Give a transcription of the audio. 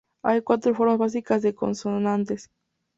Hay cuatro formas básicas de consonantes.